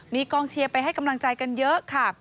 มีกองเชียร์ไปให้กำลังใจกันเยอะค่ะ